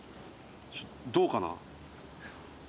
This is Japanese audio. どうかな？